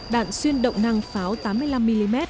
đạn xuyên động năng pháo tám mươi năm mm